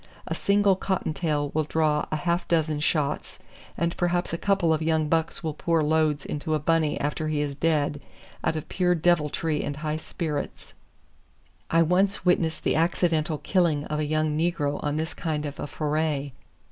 A single cottontail will draw a half dozen shots and perhaps a couple of young bucks will pour loads into a bunny after he is dead out of pure deviltry and high spirits. I once witnessed the accidental killing of a young negro on this kind of a foray.